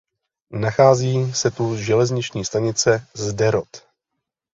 Nachází se tu železniční stanice Sderot.